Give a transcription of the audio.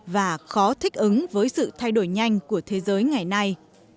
và khó thích ứng với sự thay đổi nhanh của thế giới ngày nay